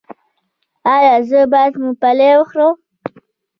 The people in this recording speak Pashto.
ایا زه باید ممپلی وخورم؟